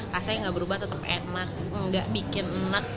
rasanya nggak berubah tetap enak nggak bikin enak